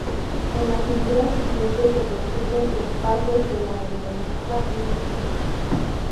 En la Figura siguiente se resume los pasos de la denominada Línea Civil.